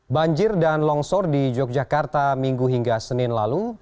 banjir dan longsor di yogyakarta minggu hingga senin lalu